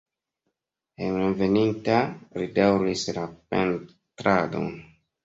Hejmenveninta li daŭris la pentradon.